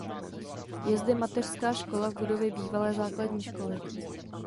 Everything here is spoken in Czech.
Je zde mateřská škola v budově bývalé základní školy.